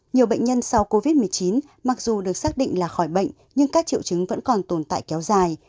nhiều bệnh nhân sau covid một mươi chín mặc dù được xác định là khỏi bệnh nhưng các triệu chứng vẫn còn tồn tại kéo dài